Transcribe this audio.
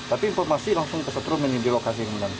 tapi informasi langsung kesetrum di lokasi yang benar